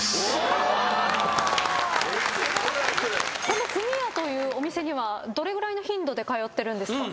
この冨味屋というお店にはどれぐらいの頻度で通ってるんですか？